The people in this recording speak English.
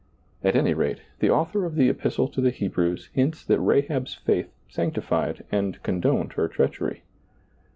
At any rate, the author of the Epistle to the Hebrews hints that Rahab's faith sanctified and condoned her treachery.